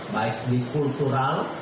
baik di kultural